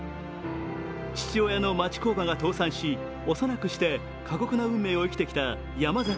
父親の町工場が倒産し幼くして過酷な運命を生きてきた山崎瑛。